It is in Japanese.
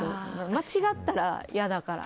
間違ったら嫌だから。